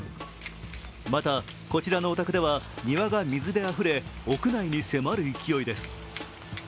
また、こちらのお宅では庭が水であふれ屋内に迫る勢いです。